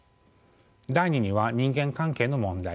第２には「人間関係」の問題